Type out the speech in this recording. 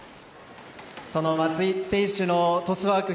その松井選手のトスワーク